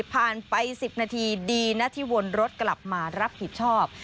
ไป๑๐นาทีดีนะที่วนรถกลับมารับผิดชอบ